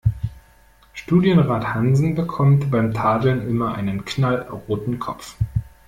Studienrat Hansen bekommt beim Tadeln immer einen knallroten Kopf.